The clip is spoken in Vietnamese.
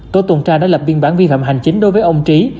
tổ tuần tra đã lập biên bản vi phạm hành chính đối với ông trí